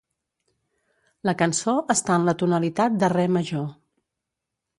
La cançó està en la tonalitat de re major.